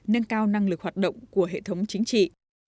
nâng cao năng lực hoạt động của hệ thống chính trị